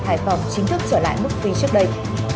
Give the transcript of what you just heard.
hải phòng chính thức trở lại mức phí trước đây